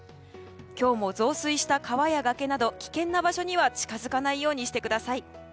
今日も増水した川や崖など危険な場所には近づかないようにしてください。